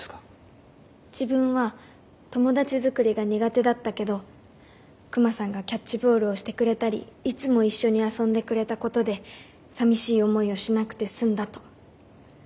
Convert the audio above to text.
自分は友達づくりが苦手だったけどクマさんがキャッチボールをしてくれたりいつも一緒に遊んでくれたことでさみしい思いをしなくて済んだと。